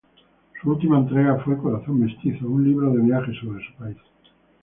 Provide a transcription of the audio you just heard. Su última entrega fue "Corazón mestizo", un libro de viajes sobre su país.